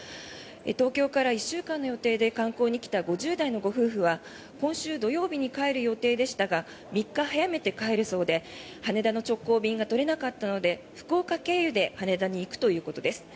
東京から１週間の予定で観光に来た５０代のご夫婦は今週土曜日に帰る予定でしたが３日早めて帰るそうで羽田の直行便が取れなかったので福岡経由で羽田に行くということです。